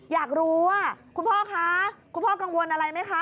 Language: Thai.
อยากรู้ว่าคุณพ่อคะคุณพ่อกังวลอะไรไหมคะ